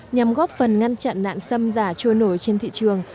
nhằm góp phần ngăn chặn nạn xâm giả trôi nổi trên thị trường